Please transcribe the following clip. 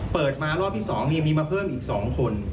เปิดมารอบที่๒มีมาเพิ่มอีก๒คน